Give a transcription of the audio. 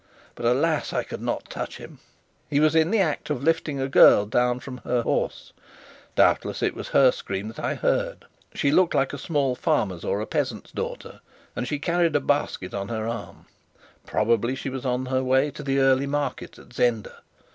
But alas! I could not touch him. He was in the act of lifting a girl down from her horse; doubtless it was her scream that I heard. She looked like a small farmer's or a peasant's daughter, and she carried a basket on her arm. Probably she was on her way to the early market at Zenda.